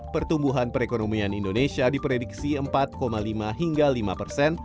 pertumbuhan perekonomian indonesia diprediksi empat lima hingga lima persen